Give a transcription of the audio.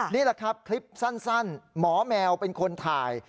นี่แหละครับคลิปสั้นหมอแมวเป็นคนถ่าย